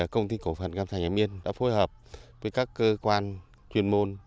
công ty cổ phận cam sành ảm yên đã phối hợp với các cơ quan chuyên môn